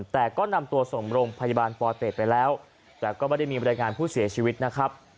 แต่ก็นำตัวส่งโรงพยาบาลปอเต็ดไปแล้วแต่ก็ไม่ได้มีบรรยายงานผู้เสียชีวิตนะครับ